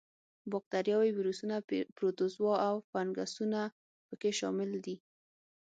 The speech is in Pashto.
با کتریاوې، ویروسونه، پروتوزوا او فنګسونه په کې شامل دي.